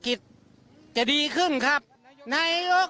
คุณสุลินบอกว่ามีความผูกพันกับคุณนักศิลป์ทำให้ดีใจมาก